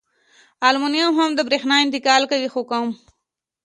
المونیم هم د برېښنا انتقال کوي خو کم.